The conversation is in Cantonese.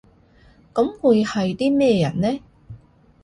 噉會係啲咩人呢？